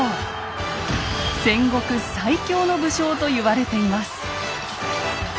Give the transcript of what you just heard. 戦国最強の武将と言われています。